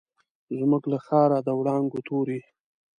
زموږ له ښاره، د وړانګو توري